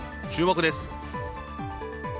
注目です。